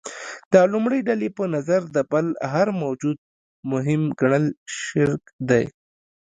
د لومړۍ ډلې په نظر د بل هر موجود مهم ګڼل شرک دی.